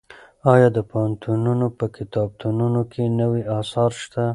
ایا د پوهنتونونو په کتابتونونو کې نوي اثار شته؟